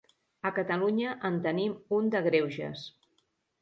A Catalunya en tenim un de greuges.